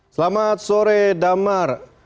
selamat sore damar